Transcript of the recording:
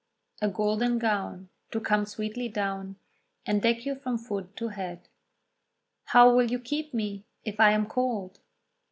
"A golden gown To come sweetly down, And deck you from foot to head." How will you keep me, if I am cold?